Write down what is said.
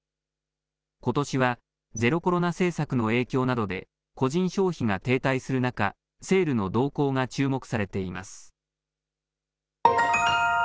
ことしはゼロコロナ政策の影響などで、個人消費が停滞する中、セールの動向が注目されています。